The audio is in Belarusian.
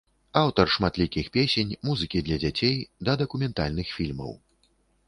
Аўтар шматлікіх песень, музыкі для дзяцей, да дакументальных фільмаў.